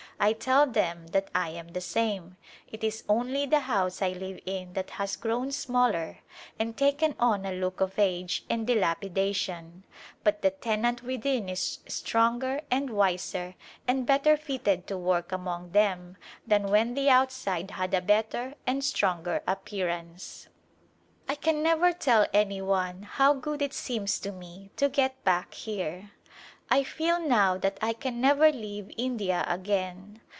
I tell them that I am the same ; it is only the house I live in that has grown smaller and taken on a look of age and di lapidation, but the tenant within is stronger and wiser and better fitted to work among them than when the outside had a better and stronger appearance. ["4] Second Jotcrjiey to India I can never tell any one how good it seems to me to get back here ; I feel now that I can never leave India again.